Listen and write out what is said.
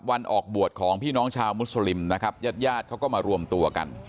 วันออกบวชของพี่น้องชาวมุสลิมยาดก็มารวมตัวกัน